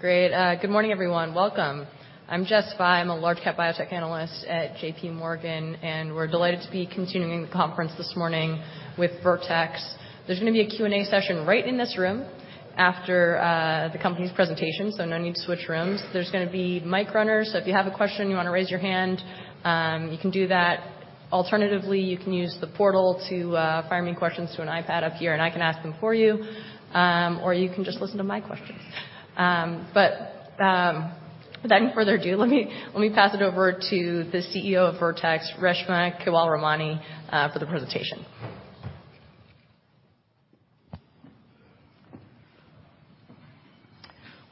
Great. Good morning, everyone. Welcome. I'm Jess Fye. I'm a Large Cap Biotech Analyst at JPMorgan. We're delighted to be continuing the conference this morning with Vertex. There's gonna be a Q&A session right in this room after the company's presentation. No need to switch rooms. There's gonna be mic runners. If you have a question, you wanna raise your hand, you can do that. Alternatively, you can use the portal to fire me questions to an iPad up here. I can ask them for you. You can just listen to my questions. Without further ado, let me pass it over to the CEO of Vertex, Reshma Kewalramani, for the presentation.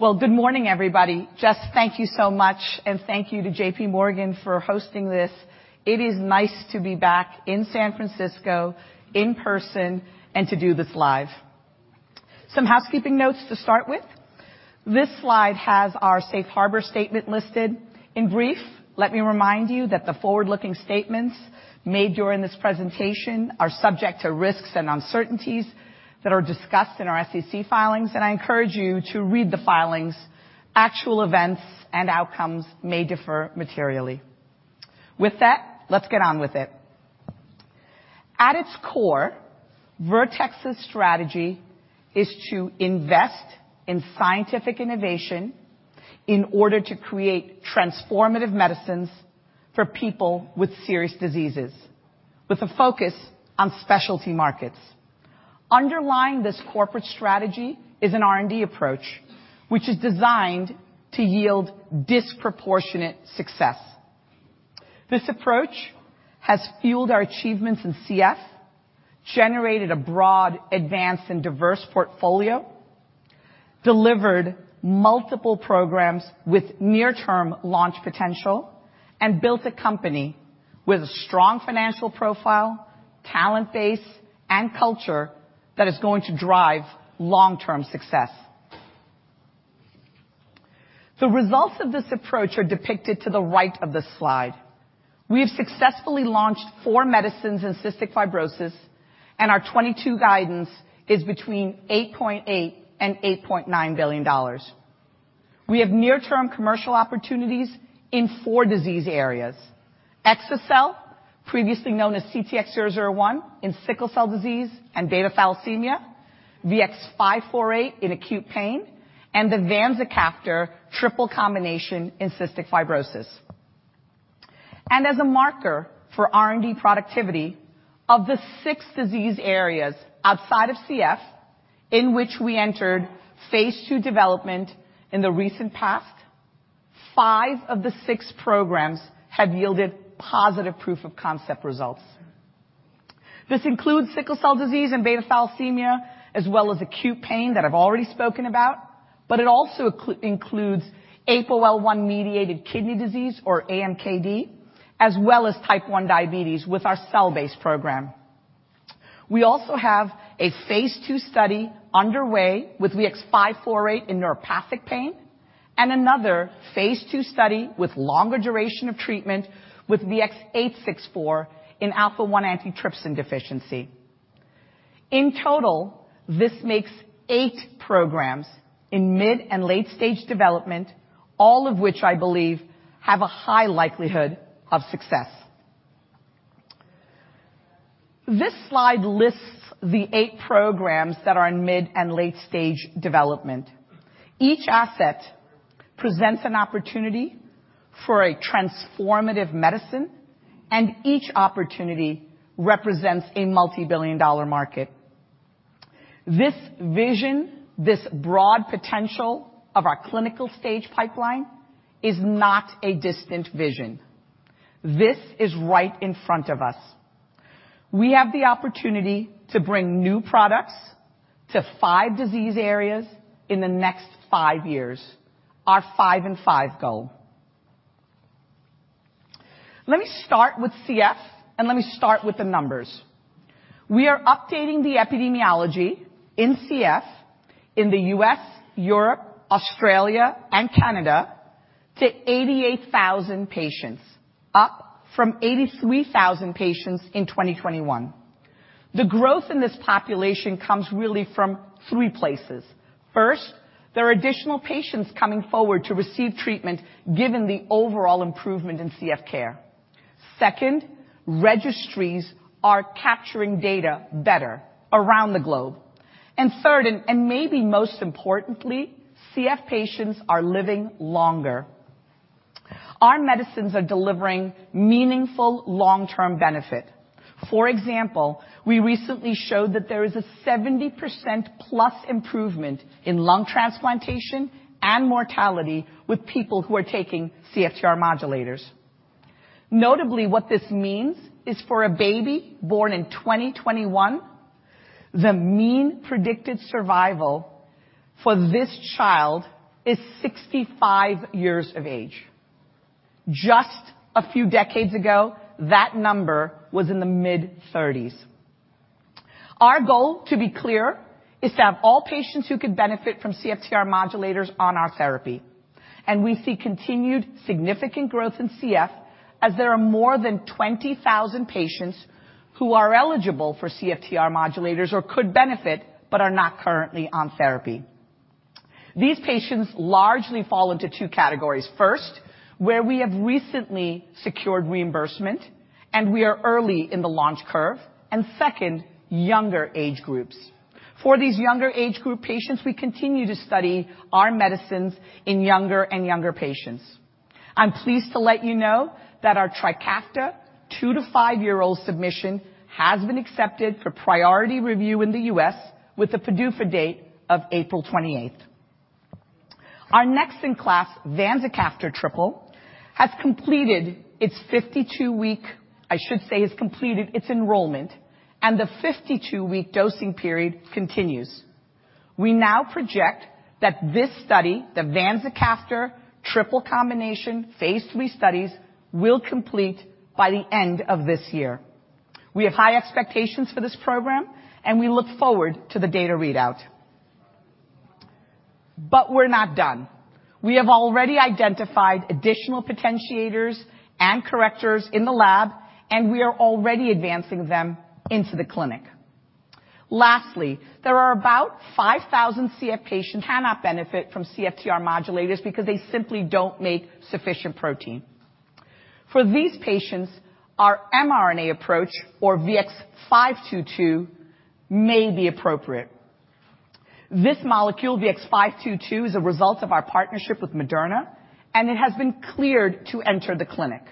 Well, good morning, everybody. Jess, thank you so much, and thank you to JPMorgan for hosting this. It is nice to be back in San Francisco in person and to do this live. Some housekeeping notes to start with. This slide has our safe harbor statement listed. In brief, let me remind you that the forward-looking statements made during this presentation are subject to risks and uncertainties that are discussed in our SEC filings, and I encourage you to read the filings. Actual events and outcomes may differ materially. With that, let's get on with it. At its core, Vertex's strategy is to invest in scientific innovation in order to create transformative medicines for people with serious diseases, with a focus on specialty markets. Underlying this corporate strategy is an R&D approach, which is designed to yield disproportionate success. This approach has fueled our achievements in CF, generated a broad, advanced, and diverse portfolio, delivered multiple programs with near-term launch potential, and built a company with a strong financial profile, talent base, and culture that is going to drive long-term success. The results of this approach are depicted to the right of this slide. We have successfully launched four medicines in cystic fibrosis. Our 2022 guidance is between $8.8 billion and $8.9 billion. We have near-term commercial opportunities in four disease areas. Exa-cel, previously known as CTX001 in sickle cell disease and beta thalassemia, VX-548 in acute pain, and the vanzacaftor triple combination in cystic fibrosis. As a marker for R&D productivity of the six disease areas outside of CF in which we entered phase II development in the recent past, five of the six programs have yielded positive proof of concept results. This includes sickle cell disease and beta thalassemia, as well as acute pain that I've already spoken about, but it also includes APOL1-mediated kidney disease or AMKD, as well as Type 1 diabetes with our cell-based program. We also have a phase II study underway with VX-548 in neuropathic pain and another phase II study with longer duration of treatment with VX-864 in alpha-1 antitrypsin deficiency. In total, this makes eight programs in mid and late-stage development, all of which I believe have a high likelihood of success. This slide lists the eight programs that are in mid and late-stage development. Each asset presents an opportunity for a transformative medicine, and each opportunity represents a multibillion-dollar market. This vision, this broad potential of our clinical stage pipeline is not a distant vision. This is right in front of us. We have the opportunity to bring new products to five disease areas in the next five years, our five in five goal. Let me start with CF. Let me start with the numbers. We are updating the epidemiology in CF in the U.S., Europe, Australia, and Canada to 88,000 patients, up from 83,000 patients in 2021. The growth in this population comes really from three places. First, there are additional patients coming forward to receive treatment given the overall improvement in CF care. Second, registries are capturing data better around the globe. Third, and maybe most importantly, CF patients are living longer. Our medicines are delivering meaningful long-term benefit. For example, we recently showed that there is a 70%+ improvement in lung transplantation and mortality with people who are taking CFTR modulators. Notably, what this means is for a baby born in 2021, the mean predicted survival for this child is 65 years of age. Just a few decades ago, that number was in the mid-30s. Our goal, to be clear, is to have all patients who could benefit from CFTR modulators on our therapy. We see continued significant growth in CF as there are more than 20,000 patients who are eligible for CFTR modulators or could benefit but are not currently on therapy. These patients largely fall into two categories. First, where we have recently secured reimbursement, and we are early in the launch curve, and second, younger age groups. For these younger age group patients, we continue to study our medicines in younger and younger patients. I'm pleased to let you know that our TRIKAFTA two to five-year old submission has been accepted for priority review in the U.S. with the PDUFA date of April 28th. Our next in-class, vanzacaftor triple, has completed its enrollment, and the 52-week dosing period continues. We now project that this study, the vanzacaftor triple combination phase III studies, will complete by the end of this year. We have high expectations for this program, and we look forward to the data readout. We're not done. We have already identified additional potentiators and correctors in the lab, and we are already advancing them into the clinic. Lastly, there are about 5,000 CF patients cannot benefit from CFTR modulators because they simply don't make sufficient protein. For these patients, our mRNA approach, or VX-522, may be appropriate. This molecule, VX-522, is a result of our partnership with Moderna. It has been cleared to enter the clinic.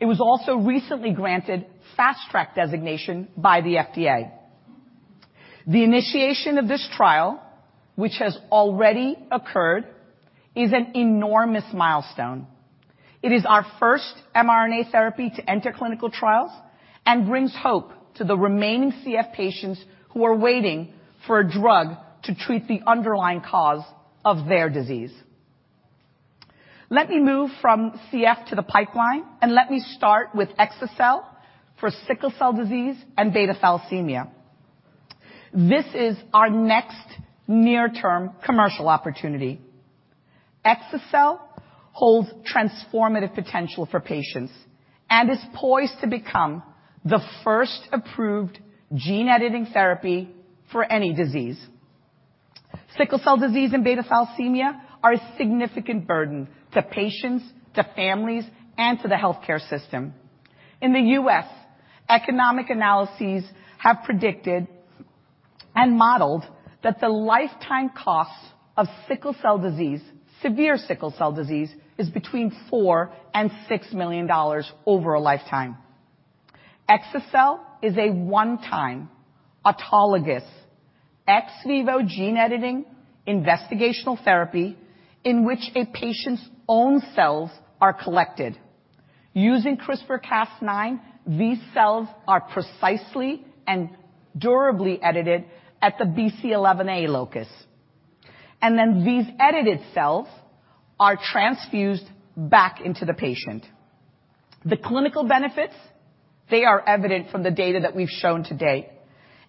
It was also recently granted Fast Track designation by the FDA. The initiation of this trial, which has already occurred, is an enormous milestone. It is our first mRNA therapy to enter clinical trials and brings hope to the remaining CF patients who are waiting for a drug to treat the underlying cause of their disease. Let me move from CF to the pipeline. Let me start with exa-cel for sickle cell disease and beta thalassemia. This is our next near-term commercial opportunity. Exa-cel holds transformative potential for patients and is poised to become the first approved gene-editing therapy for any disease. Sickle cell disease and beta thalassemia are a significant burden to patients, to families, and to the healthcare system. In the U.S., economic analyses have predicted and modeled that the lifetime cost of sickle cell disease, severe sickle cell disease, is between $4 million-$6 million over a lifetime. Exa-cel is a one-time autologous ex vivo gene-editing investigational therapy in which a patient's own cells are collected. Using CRISPR-Cas9, these cells are precisely and durably edited at the BCL11A locus. These edited cells are transfused back into the patient. The clinical benefits, they are evident from the data that we've shown to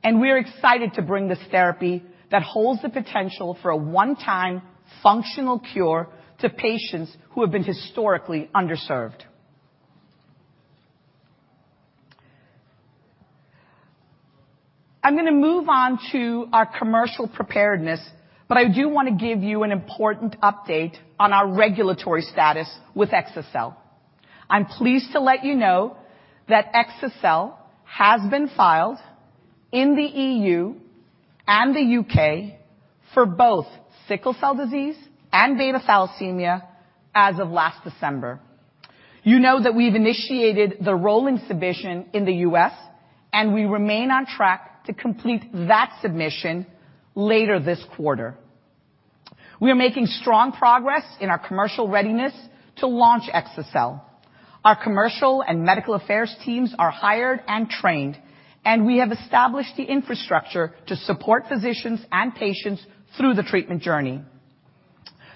date, and we're excited to bring this therapy that holds the potential for a one-time functional cure to patients who have been historically underserved. I'm gonna move on to our commercial preparedness, but I do wanna give you an important update on our regulatory status with exa-cel. I'm pleased to let you know that exa-cel has been filed in the EU and the U.K. for both sickle cell disease and beta thalassemia as of last December. You know that we've initiated the rolling submission in the US, and we remain on track to complete that submission later this quarter. We are making strong progress in our commercial readiness to launch exa-cel. Our commercial and medical affairs teams are hired and trained, and we have established the infrastructure to support physicians and patients through the treatment journey.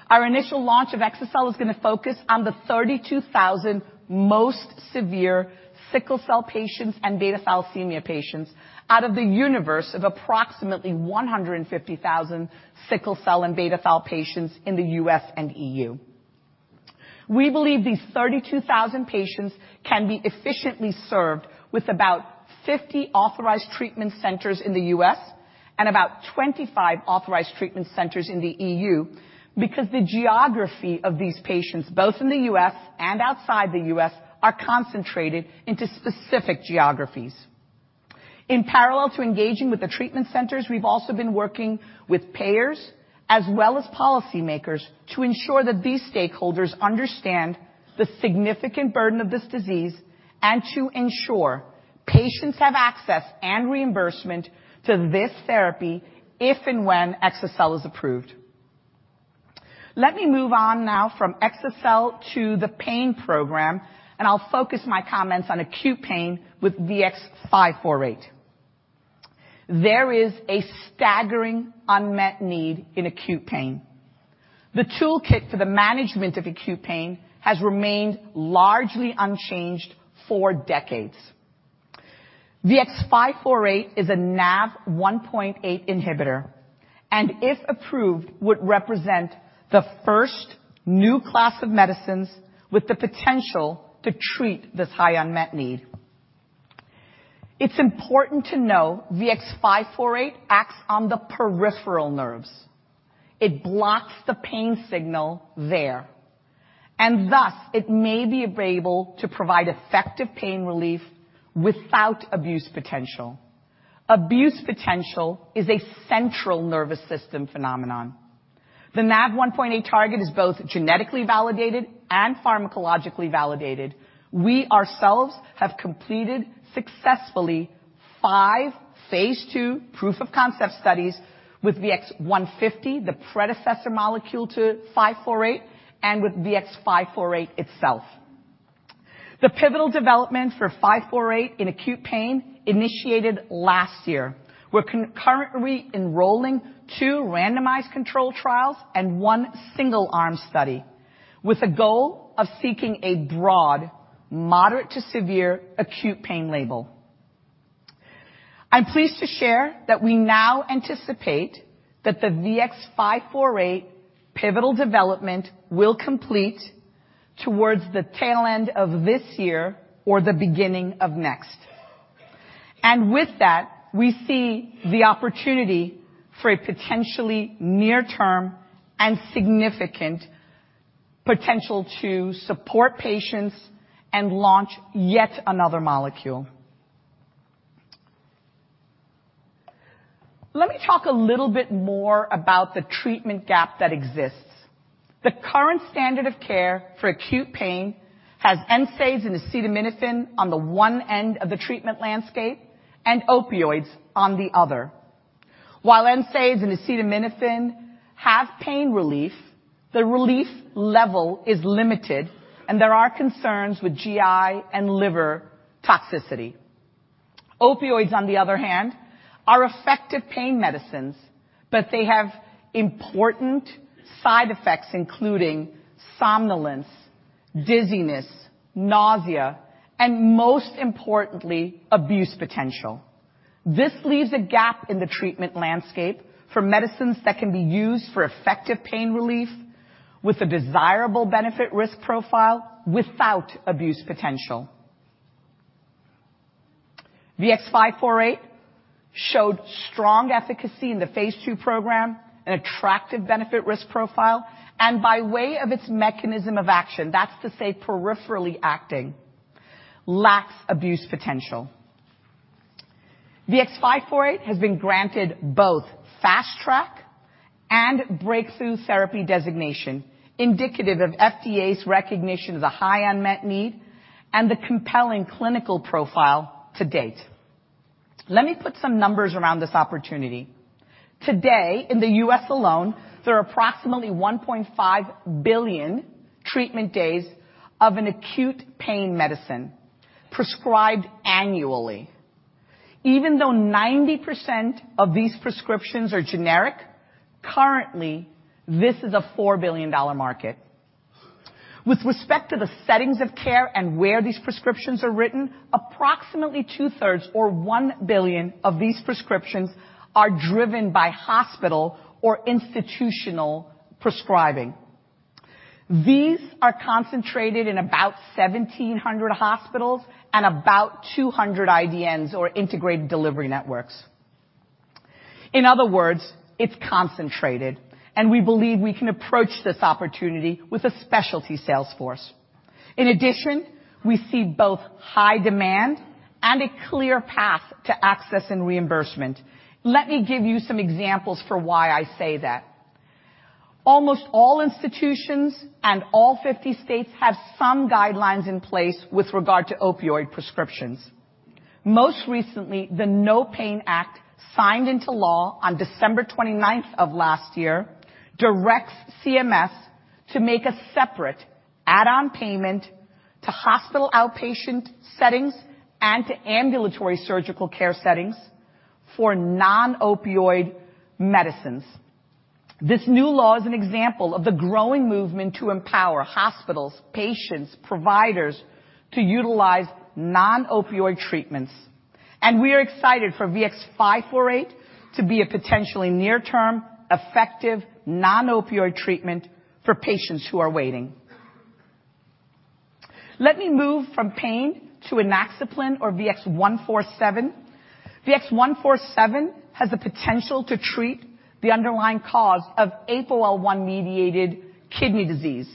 Our initial launch of exa-cel is gonna focus on the 32,000 most severe sickle cell patients and beta thalassemia patients out of the universe of approximately 150,000 sickle cell and beta thal patients in the U.S. and EU. We believe these 32,000 patients can be efficiently served with about 50 authorized treatment centers in the U.S. and about 25 authorized treatment centers in the E.U. because the geography of these patients, both in the U.S. and outside the U.S., are concentrated into specific geographies. In parallel to engaging with the treatment centers, we've also been working with payers as well as policymakers to ensure that these stakeholders understand the significant burden of this disease and to ensure patients have access and reimbursement to this therapy if and when exa-cel is approved. Let me move on now from exa-cel to the pain program. I'll focus my comments on acute pain with VX-548. There is a staggering unmet need in acute pain. The toolkit for the management of acute pain has remained largely unchanged for decades. VX-548 is a NaV1.8 inhibitor, and if approved, would represent the first new class of medicines with the potential to treat this high unmet need. It's important to know VX-548 acts on the peripheral nerves. It blocks the pain signal there, and thus it may be available to provide effective pain relief without abuse potential. Abuse potential is a central nervous system phenomenon. The NaV1.8 target is both genetically validated and pharmacologically validated. We ourselves have completed successfully five phase II proof-of-concept studies with VX-150, the predecessor molecule to 548, and with VX-548 itself. The pivotal development for 548 in acute pain initiated last year. We're concurrently enrolling two randomized control trials and one single arm study with a goal of seeking a broad, moderate to severe acute pain label. I'm pleased to share that we now anticipate that the VX-548 pivotal development will complete towards the tail end of this year or the beginning of next. With that, we see the opportunity for a potentially near-term and significant potential to support patients and launch yet another molecule. Let me talk a little bit more about the treatment gap that exists. The current standard of care for acute pain has NSAIDs and acetaminophen on the one end of the treatment landscape and opioids on the other. While NSAIDs and acetaminophen have pain relief, the relief level is limited, and there are concerns with GI and liver toxicity. Opioids, on the other hand, are effective pain medicines, but they have important side effects, including somnolence, dizziness, nausea, and most importantly, abuse potential. This leaves a gap in the treatment landscape for medicines that can be used for effective pain relief with a desirable benefit risk profile without abuse potential. VX-548 showed strong efficacy in the phase II program, an attractive benefit risk profile, and by way of its mechanism of action, that's to say peripherally acting, lacks abuse potential. VX-548 has been granted both Fast Track and Breakthrough Therapy Designation, indicative of FDA's recognition of the high unmet need and the compelling clinical profile to date. Let me put some numbers around this opportunity. Today, in the U.S. alone, there are approximately 1.5 billion treatment days of an acute pain medicine prescribed annually. Even though 90% of these prescriptions are generic, currently this is a $4 billion market. With respect to the settings of care and where these prescriptions are written, approximately two-thirds or $1 billion of these prescriptions are driven by hospital or institutional prescribing. These are concentrated in about 1,700 hospitals and about 200 IDNs or integrated delivery networks. In other words, it's concentrated, and we believe we can approach this opportunity with a specialty sales force. In addition, we see both high demand and a clear path to access and reimbursement. Let me give you some examples for why I say that. Almost all institutions and all 50 states have some guidelines in place with regard to opioid prescriptions. Most recently, the NOPAIN Act, signed into law on December 29th of last year, directs CMS to make a separate add-on payment to hospital outpatient settings and to ambulatory surgical care settings for non-opioid medicines. This new law is an example of the growing movement to empower hospitals, patients, providers to utilize non-opioid treatments. We are excited for VX-548 to be a potentially near-term, effective non-opioid treatment for patients who are waiting. Let me move from pain to inaxaplin or VX-147. VX-147 has the potential to treat the underlying cause of APOL1-mediated kidney disease.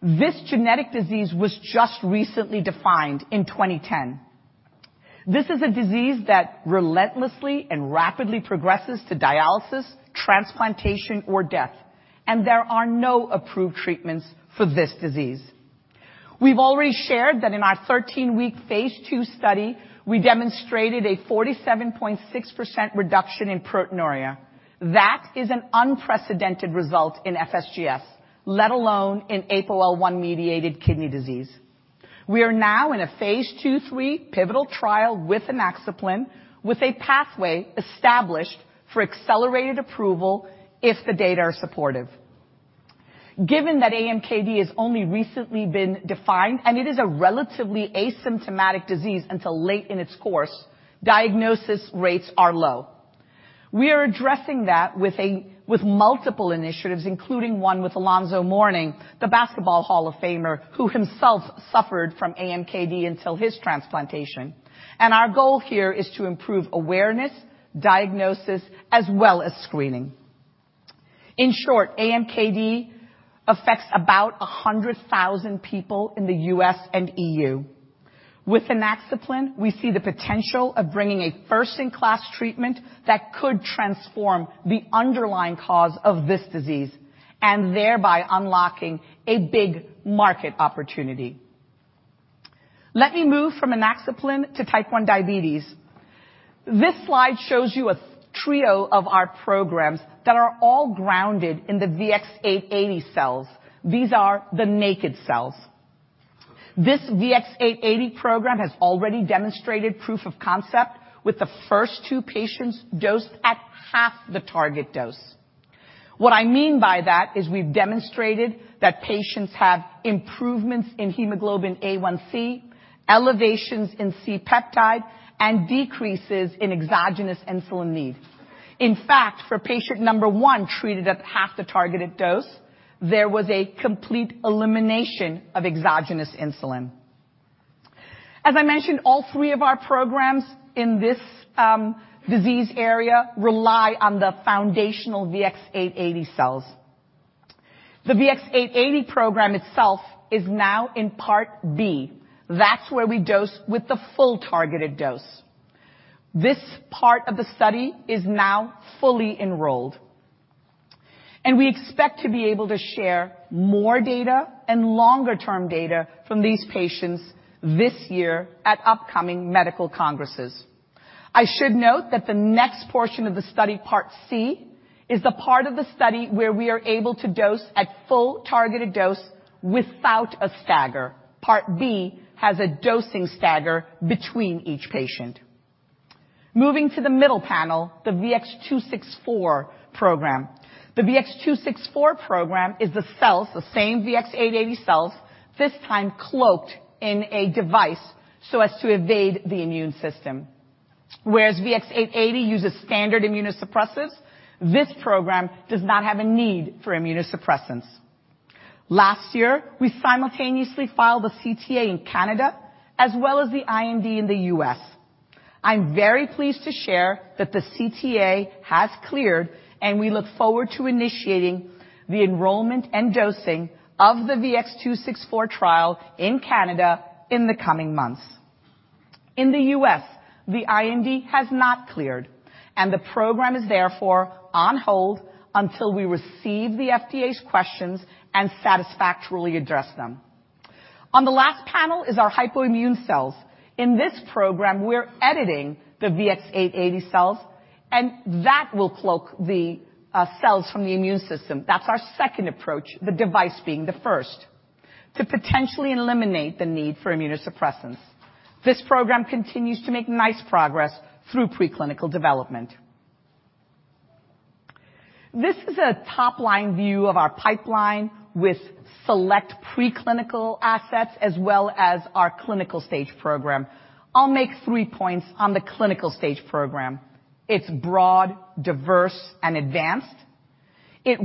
This genetic disease was just recently defined in 2010. This is a disease that relentlessly and rapidly progresses to dialysis, transplantation, or death. There are no approved treatments for this disease. We've already shared that in our 13-week phase II study, we demonstrated a 47.6% reduction in proteinuria. That is an unprecedented result in FSGS, let alone in APOL1-mediated kidney disease. We are now in a phase II/III pivotal trial with inaxaplin, with a pathway established for accelerated approval if the data are supportive. Given that AMKD has only recently been defined, and it is a relatively asymptomatic disease until late in its course, diagnosis rates are low. We are addressing that with multiple initiatives, including one with Alonzo Mourning, the Basketball Hall of Famer, who himself suffered from AMKD until his transplantation. Our goal here is to improve awareness, diagnosis, as well as screening. In short, AMKD affects about 100,000 people in the U.S. and EU. With inaxaplin, we see the potential of bringing a first-in-class treatment that could transform the underlying cause of this disease, and thereby unlocking a big market opportunity. Let me move from inaxaplin to Type 1 diabetes. This slide shows you a trio of our programs that are all grounded in the VX-880 cells. These are the naked cells. This VX-880 program has already demonstrated proof of concept with the first two patients dosed at half the target dose. What I mean by that is we've demonstrated that patients have improvements in hemoglobin A1c, elevations in C-peptide, and decreases in exogenous insulin needs. In fact, for patient number one treated at half the targeted dose, there was a complete elimination of exogenous insulin. As I mentioned, all three of our programs in this disease area rely on the foundational VX-880 cells. The VX-880 program itself is now in part B. That's where we dose with the full targeted dose. This part of the study is now fully enrolled, and we expect to be able to share more data and longer-term data from these patients this year at upcoming medical congresses. I should note that the next portion of the study, Part C, is the part of the study where we are able to dose at full targeted dose without a stagger. Part B has a dosing stagger between each patient. Moving to the middle panel, the VX-264 program. The VX-264 program is the cells, the same VX-880 cells, this time cloaked in a device so as to evade the immune system. Whereas VX-880 uses standard immunosuppressants, this program does not have a need for immunosuppressants. Last year, we simultaneously filed a CTA in Canada as well as the IND in the U.S. I'm very pleased to share that the CTA has cleared, and we look forward to initiating the enrollment and dosing of the VX-264 trial in Canada in the coming months. In the U.S., the IND has not cleared, and the program is therefore on hold until we receive the FDA's questions and satisfactorily address them. On the last panel is our hypoimmune cells. In this program, we're editing the VX-880 cells, and that will cloak the cells from the immune system. That's our second approach, the device being the first, to potentially eliminate the need for immunosuppressants. This program continues to make nice progress through preclinical development. This is a top-line view of our pipeline with select preclinical assets as well as our clinical stage program. I'll make three points on the clinical stage program. It's broad, diverse, and advanced. It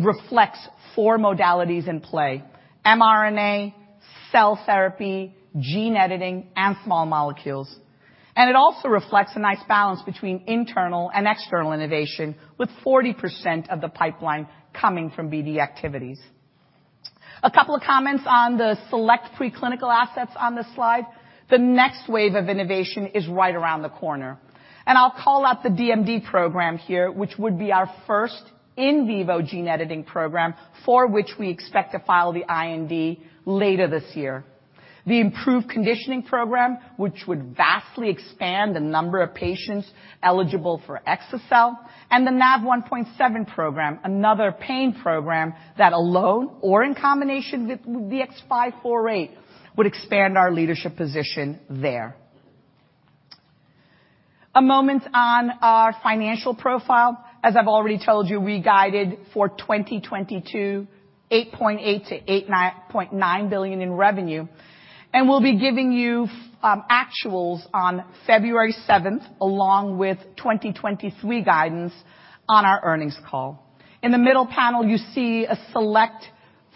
also reflects a nice balance between internal and external innovation, with 40% of the pipeline coming from BD activities. A couple of comments on the select preclinical assets on this slide. The next wave of innovation is right around the corner, and I'll call out the DMD program here, which would be our first in vivo gene editing program for which we expect to file the IND later this year. The improved conditioning program, which would vastly expand the number of patients eligible for exa-cel, and the NaV1.7 program, another pain program that alone or in combination with VX-548 would expand our leadership position there. A moment on our financial profile. As I've already told you, we guided for 2022 $8.8 billion-$8.9 billion in revenue, and we'll be giving you actuals on February seventh along with 2023 guidance on our earnings call. In the middle panel, you see a select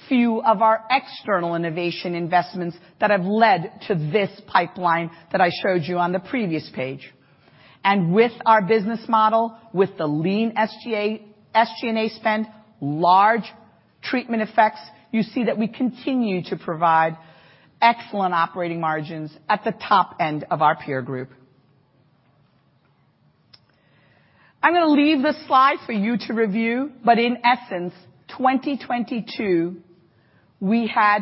few of our external innovation investments that have led to this pipeline that I showed you on the previous page. With our business model, with the lean SG&A spend, large treatment effects, you see that we continue to provide excellent operating margins at the top end of our peer group. I'm gonna leave this slide for you to review, but in essence, 2022, we had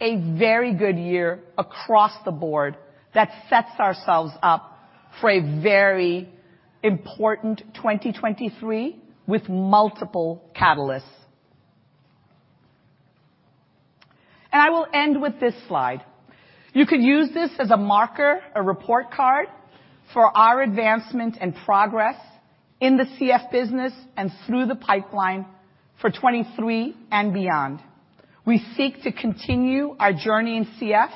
a very good year across the board that sets ourselves up for a very important 2023 with multiple catalysts. I will end with this slide. You could use this as a marker, a report card for our advancement and progress in the CF business and through the pipeline for 2023 and beyond. We seek to continue our journey in CF,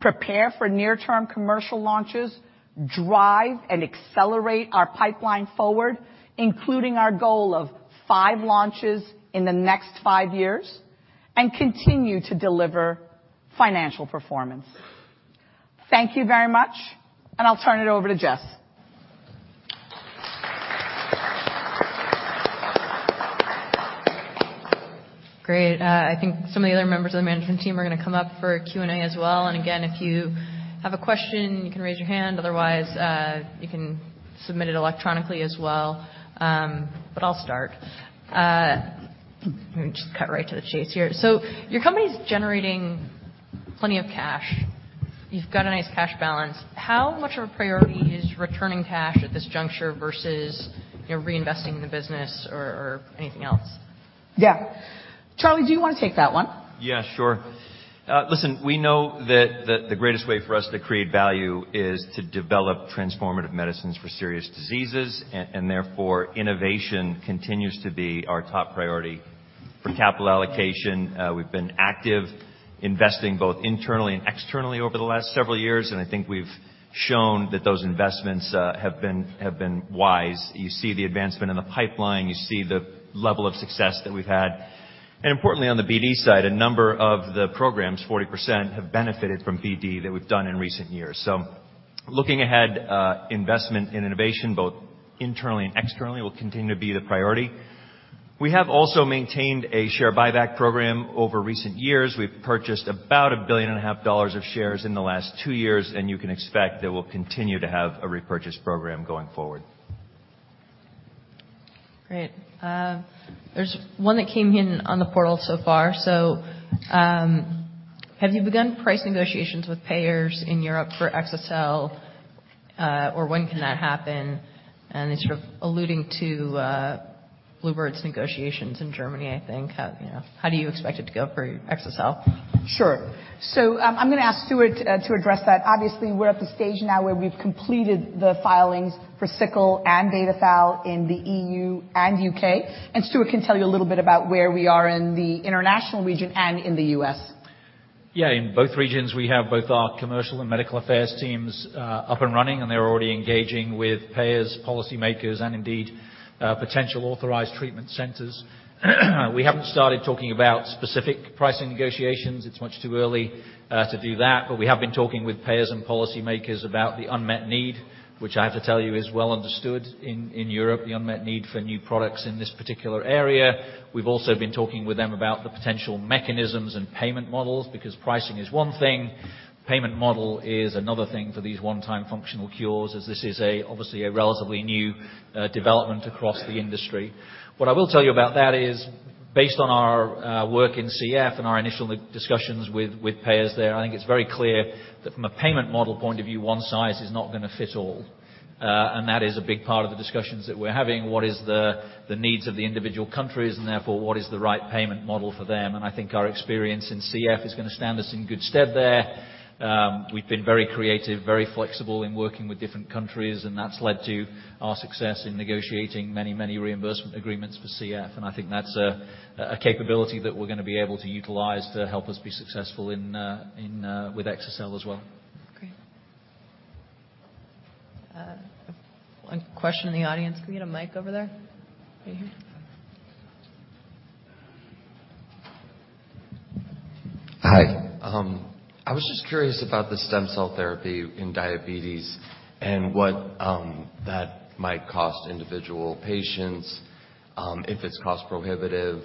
prepare for near-term commercial launches, drive and accelerate our pipeline forward, including our goal of five launches in the next five years, and continue to deliver financial performance. Thank you very much, and I'll turn it over to Jess. Great. I think some of the other members of the management team are going to come up for Q&A as well. Again, if you have a question, you can raise your hand, otherwise, you can submit it electronically as well. I'll start. Let me just cut right to the chase here. Your company's generating plenty of cash. You've got a nice cash balance. How much of a priority is returning cash at this juncture versus, you know, reinvesting in the business or anything else? Yeah. Charlie, do you want to take that one? Yeah, sure. listen, we know that the greatest way for us to create value is to develop transformative medicines for serious diseases, and therefore, innovation continues to be our top priority. For capital allocation, we've been active, investing both internally and externally over the last several years, and I think we've shown that those investments have been wise. You see the advancement in the pipeline, you see the level of success that we've had. Importantly, on the BD side, a number of the programs, 40%, have benefited from BD that we've done in recent years. Looking ahead, investment in innovation, both internally and externally, will continue to be the priority. We have also maintained a share buyback program over recent years. We've purchased about $1.5 billion of shares in the last two years, and you can expect that we'll continue to have a repurchase program going forward. Great. There's one that came in on the portal so far. Have you begun price negotiations with payers in Europe for exa-cel, or when can that happen? It's sort of alluding to, Bluebird's negotiations in Germany, I think. How, you know, how do you expect it to go for exa-cel? Sure. I'm gonna ask Stuart to address that. Obviously, we're at the stage now where we've completed the filings for sickle and beta thal in the EU and U.K. Stuart can tell you a little bit about where we are in the international region and in the U.S. In both regions, we have both our commercial and medical affairs teams, up and running, and they're already engaging with payers, policymakers, and indeed, potential authorized treatment centers. We haven't started talking about specific pricing negotiations. It's much too early to do that, but we have been talking with payers and policymakers about the unmet need, which I have to tell you is well understood in Europe, the unmet need for new products in this particular area. We've also been talking with them about the potential mechanisms and payment models because pricing is one thing, payment model is another thing for these one-time functional cures as this is obviously a relatively new development across the industry. What I will tell you about that is based on our work in CF and our initial discussions with payers there, I think it's very clear that from a payment model point of view, one size is not gonna fit all. That is a big part of the discussions that we're having, what is the needs of the individual countries, and therefore, what is the right payment model for them? I think our experience in CF is gonna stand us in good stead there. We've been very creative, very flexible in working with different countries, and that's led to our success in negotiating many reimbursement agreements for CF, and I think that's a capability that we're gonna be able to utilize to help us be successful in with exa-cel as well. Great. One question in the audience. Can we get a mic over there? Right here. Hi. I was just curious about the stem cell therapy in diabetes and what that might cost individual patients, if it's cost prohibitive,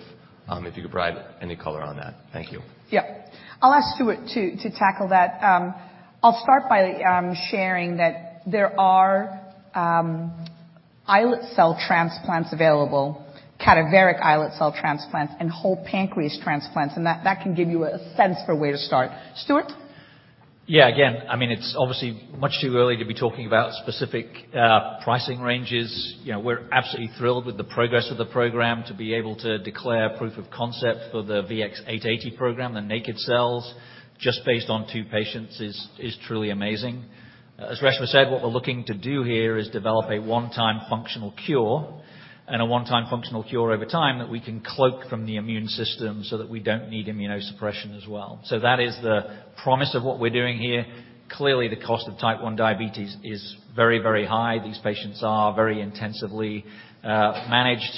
if you could provide any color on that. Thank you. Yeah. I'll ask Stuart to tackle that. I'll start by sharing that there are islet cell transplants available, cadaveric islet cell transplants, and whole pancreas transplants, and that can give you a sense for where to start. Stuart? Yeah, again, I mean, it's obviously much too early to be talking about specific pricing ranges. You know, we're absolutely thrilled with the progress of the program to be able to declare proof of concept for the VX-880 program, the naked cells, just based on two patients is truly amazing. As Reshma said, what we're looking to do here is develop a one-time functional cure and a one-time functional cure over time that we can cloak from the immune system so that we don't need immunosuppression as well. That is the promise of what we're doing here. Clearly, the cost of Type 1 diabetes is very, very high. These patients are very intensively managed.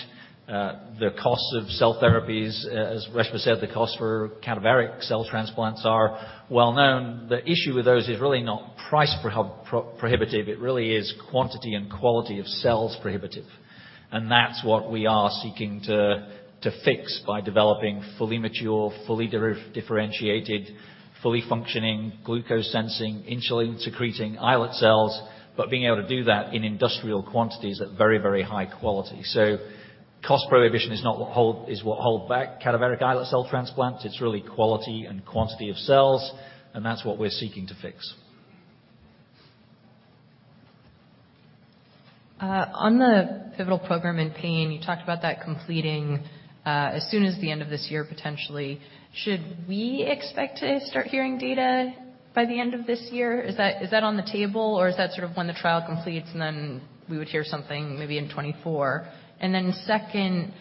The cost of cell therapies, as Reshma said, the cost for cadaveric cell transplants are well known. The issue with those is really not price prohibitive, it really is quantity and quality of cells prohibitive. That's what we are seeking to fix by developing fully mature, fully differentiated, fully functioning glucose sensing, insulin secreting islet cells, but being able to do that in industrial quantities at very, very high quality. Cost prohibition is not what hold back cadaveric islet cell transplants, it's really quality and quantity of cells, and that's what we're seeking to fix. On the pivotal program in pain, you talked about that completing as soon as the end of this year, potentially. Should we expect to start hearing data by the end of this year? Is that, is that on the table or is that sort of when the trial completes and then we would hear something maybe in 2024? Second,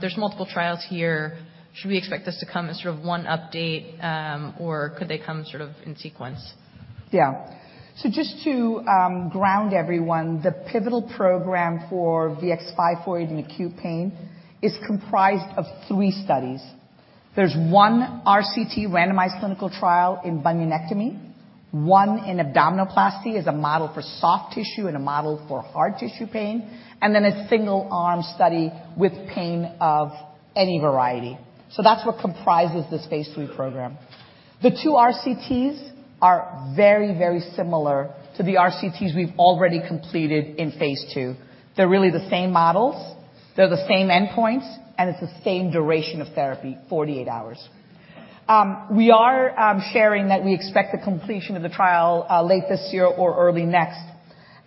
there's multiple trials here. Should we expect this to come as sort of one update, or could they come sort of in sequence? Yeah. Just to ground everyone, the pivotal program for VX-548 in acute pain is comprised of three studies. There's one RCT randomized clinical trial in bunionectomy, one in abdominoplasty as a model for soft tissue and a model for hard tissue pain, a single arm study with pain of any variety. That's what comprises this phase III program. The two RCTs are very similar to the RCTs we've already completed in phase II. They're really the same models, they're the same endpoints, and it's the same duration of therapy, 48 hours. We are sharing that we expect the completion of the trial late this year or early next.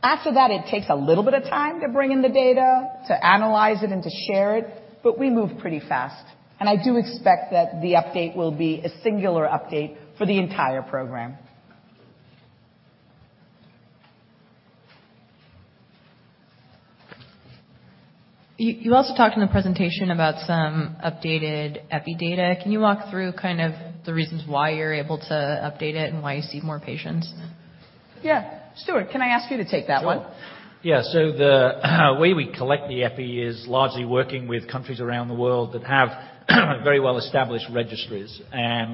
After that, it takes a little bit of time to bring in the data, to analyze it and to share it, we move pretty fast. I do expect that the update will be a singular update for the entire program. You also talked in the presentation about some updated epi data. Can you walk through kind of the reasons why you're able to update it and why you see more patients? Yeah. Stuart, can I ask you to take that one? Sure. Yeah. The way we collect the epi is largely working with countries around the world that have very well-established registries.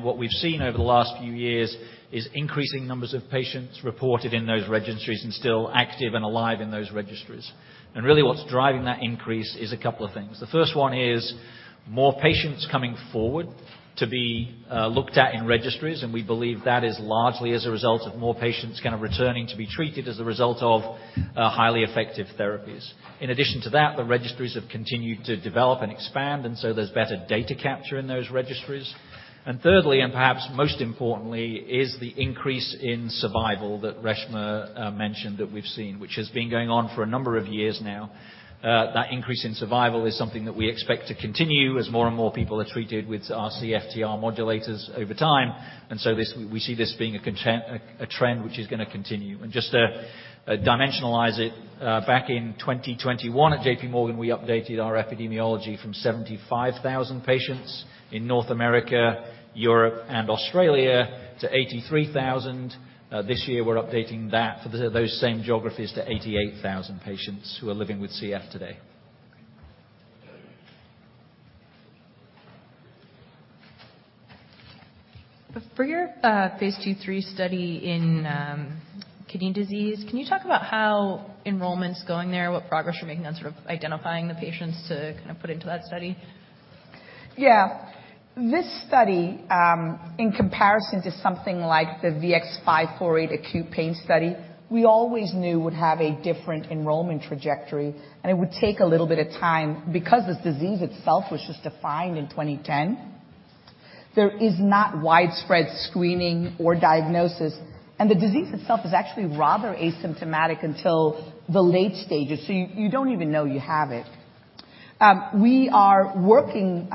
What we've seen over the last few years is increasing numbers of patients reported in those registries and still active and alive in those registries. Really what's driving that increase is a couple of things. The first one is more patients coming forward to be looked at in registries, and we believe that is largely as a result of more patients kind of returning to be treated as a result of highly effective therapies. In addition to that, the registries have continued to develop and expand, and so there's better data capture in those registries. Thirdly, and perhaps most importantly, is the increase in survival that Reshma mentioned that we've seen, which has been going on for a number of years now. That increase in survival is something that we expect to continue as more and more people are treated with our CFTR modulators over time. We see this being a trend which is gonna continue. Just to dimensionalize it, back in 2021 at JPMorgan, we updated our epidemiology from 75,000 patients in North America, Europe and Australia to 83,000. This year we're updating that for those same geographies to 88,000 patients who are living with CF today. For your phase II/III study in kidney disease, can you talk about how enrollment's going there, what progress you're making on sort of identifying the patients to kind of put into that study? Yeah. This study, in comparison to something like the VX-548 acute pain study, we always knew would have a different enrollment trajectory, and it would take a little bit of time because this disease itself was just defined in 2010. There is not widespread screening or diagnosis, and the disease itself is actually rather asymptomatic until the late stages, so you don't even know you have it. We are working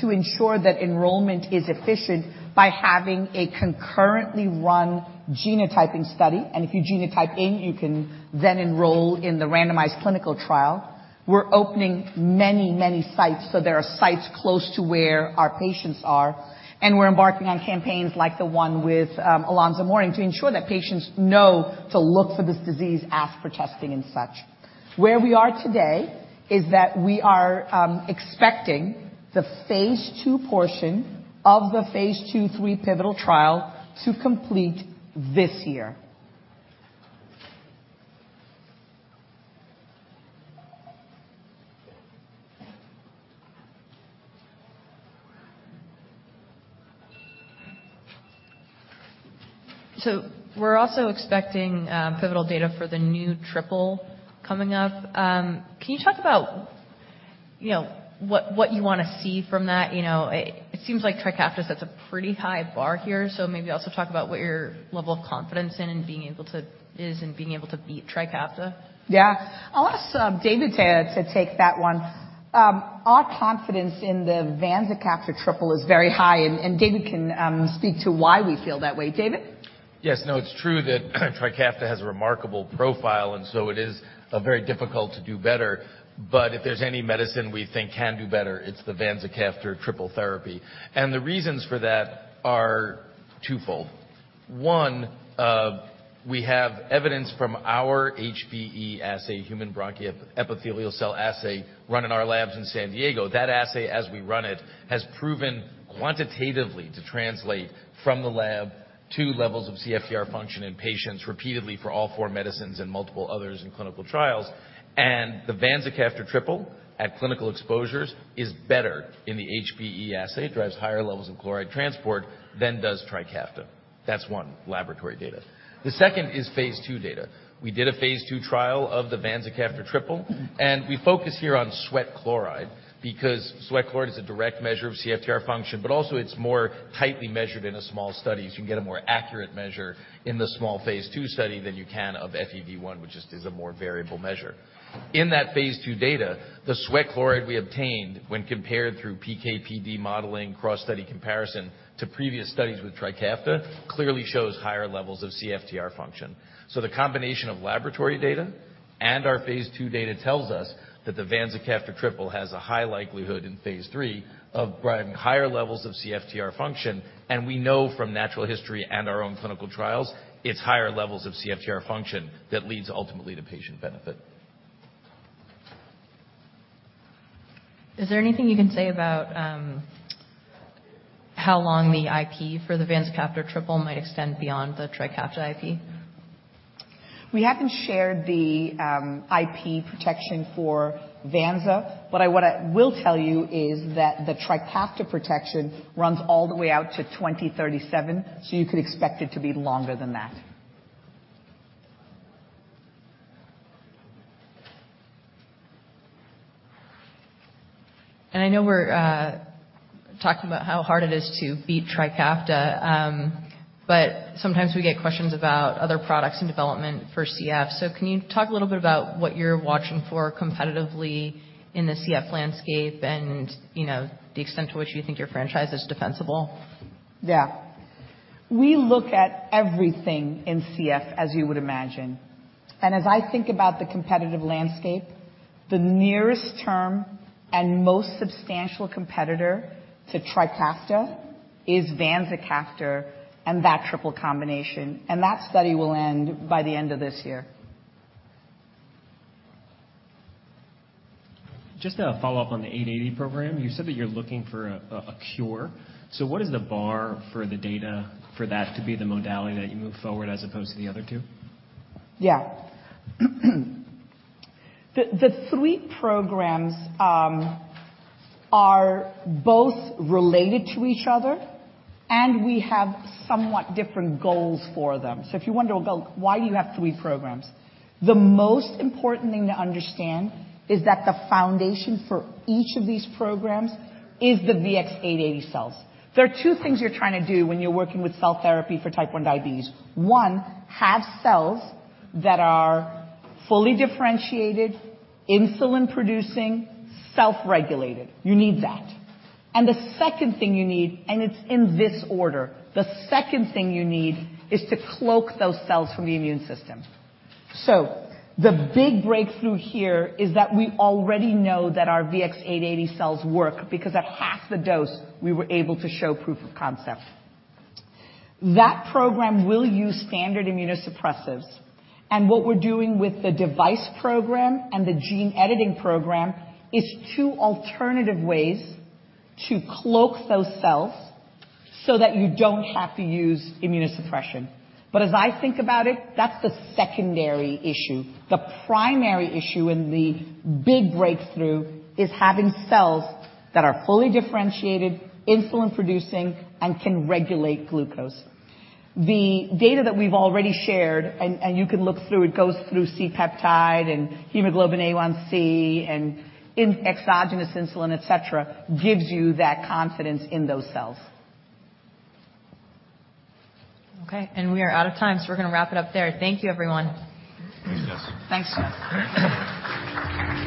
to ensure that enrollment is efficient by having a concurrently run genotyping study. If you genotype in, you can then enroll in the randomized clinical trial. We're opening many, many sites, so there are sites close to where our patients are. We're embarking on campaigns like the one with Alonzo Mourning to ensure that patients know to look for this disease, ask for testing and such. Where we are today is that we are expecting the phase II portion of the phase II/III pivotal trial to complete this year. We're also expecting pivotal data for the new triple coming up. Can you talk about, you know, what you wanna see from that? You know, it seems like TRIKAFTA sets a pretty high bar here. Maybe also talk about what your level of confidence in being able to beat TRIKAFTA. Yeah. I'll ask David to take that one. Our confidence in the vanzacaftor triple is very high and David can speak to why we feel that way. David? Yes. No, it's true that TRIKAFTA has a remarkable profile and so it is very difficult to do better. If there's any medicine we think can do better, it's the vanzacaftor triple therapy. The reasons for that are twofold. One, we have evidence from our HBE assay, human bronchial epithelial cell assay, run in our labs in San Diego. That assay, as we run it, has proven quantitatively to translate from the lab to levels of CFTR function in patients repeatedly for all four medicines and multiple others in clinical trials. The vanzacaftor triple at clinical exposures is better in the HBE assay. It drives higher levels of chloride transport than does TRIKAFTA. That's one, laboratory data. The second is phase II data. We did a phase II trial of the vanzacaftor triple. We focus here on sweat chloride because sweat chloride is a direct measure of CFTR function, but also it's more tightly measured in a small study. You can get a more accurate measure in the small phase II study than you can of FEV1, which just is a more variable measure. In that phase II data, the sweat chloride we obtained when compared through PK/PD modeling cross-study comparison to previous studies with TRIKAFTA clearly shows higher levels of CFTR function. The combination of laboratory data and our phase II data tells us that the vanzacaftor triple has a high likelihood in phase III of driving higher levels of CFTR function. We know from natural history and our own clinical trials, it's higher levels of CFTR function that leads ultimately to patient benefit. Is there anything you can say about, how long the IP for the vanzacaftor triple might extend beyond the TRIKAFTA IP? We haven't shared the IP protection for vanza. What I will tell you is that the TRIKAFTA protection runs all the way out to 2037. You could expect it to be longer than that. I know we're talking about how hard it is to beat TRIKAFTA. Sometimes we get questions about other products in development for CF. Can you talk a little bit about what you're watching for competitively in the CF landscape and, you know, the extent to which you think your franchise is defensible? Yeah. We look at everything in CF, as you would imagine. As I think about the competitive landscape, the nearest term and most substantial competitor to TRIKAFTA is vanzacaftor and that triple combination. That study will end by the end of this year. Just a follow-up on the VX-880 program. You said that you're looking for a cure. What is the bar for the data for that to be the modality that you move forward as opposed to the other two? Yeah. The three programs are both related to each other, and we have somewhat different goals for them. If you're wondering about why you have three programs, the most important thing to understand is that the foundation for each of these programs is the VX-880 cells. There are two things you're trying to do when you're working with cell therapy for Type 1 diabetes. One, have cells that are fully differentiated, insulin producing, self-regulated. You need that. The second thing you need, and it's in this order, the second thing you need is to cloak those cells from the immune system. The big breakthrough here is that we already know that our VX-880 cells work because at half the dose we were able to show proof of concept. That program will use standard immunosuppressants. What we're doing with the device program and the gene editing program is two alternative ways to cloak those cells so that you don't have to use immunosuppression. As I think about it, that's the secondary issue. The primary issue and the big breakthrough is having cells that are fully differentiated, insulin producing, and can regulate glucose. The data that we've already shared, and you can look through, it goes through C-peptide and hemoglobin A1c and in exogenous insulin, et cetera, gives you that confidence in those cells. Okay. We are out of time, so we're going to wrap it up there. Thank you, everyone. Thanks, Jess. Thanks.